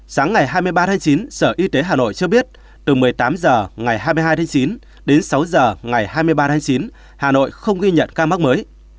sáng ngày hai mươi ba tháng chín sở y tế hà nội cho biết từ một mươi tám h ngày hai mươi hai tháng chín đến sáu h ngày hai mươi ba tháng chín hà nội không ghi nhận ca mắc mới